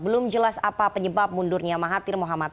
belum jelas apa penyebab mundurnya mahathir mohamad